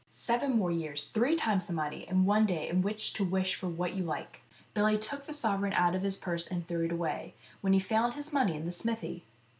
" Seven more years, three times the money, and one day in which to wish for what you like." Billy took the sovereign out of his purse and threw it away, when he found his money in the smithy.